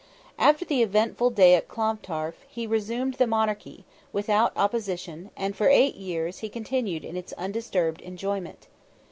After the eventful day of Clontarf he resumed the monarchy, without opposition, and for eight years he continued in its undisturbed enjoyment.